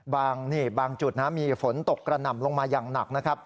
บางจุดมีฝนตกกระหน่ำลงมาอย่างหนักนะครับ